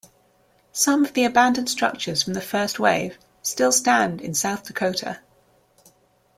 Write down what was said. Some of the abandoned structures from the first wave still stand in South Dakota.